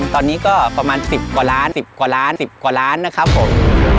ตอนนี้ก็ประมาณสิบกว่าร้านสิบกว่าร้านสิบกว่าร้านนะครับผม